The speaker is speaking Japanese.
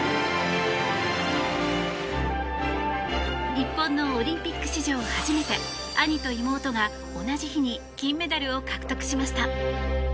日本のオリンピック史上初めて兄と妹が、同じ日に金メダルを獲得しました。